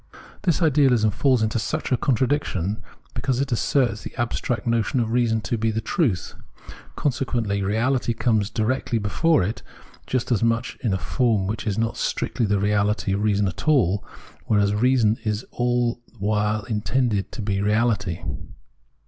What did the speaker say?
This ideahsm falls into such a contradiction because it asserts the abstract notion of reason to be the truth. Consequently reahty comes directly before it just as much in a form which is not strictly the reality of reason at all, whereas reason aU the while is intended to be all reahty.